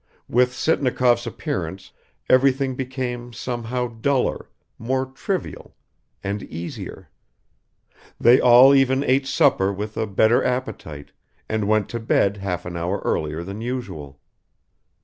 With Sitnikov's appearance everything became somehow duller, more trivial and easier: they all even ate supper with a better appetite, and went to bed half an hour earlier than usual.